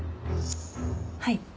はい。